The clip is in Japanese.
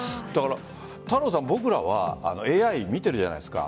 太郎さん、僕らはＡＩを見てるじゃないですか。